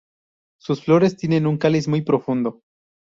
Sus flores tienen un cáliz muy profundo.